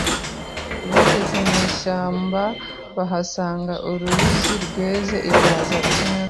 bageze mu ishyamba bahasanga uruyuzi rweze ibihaza byinshi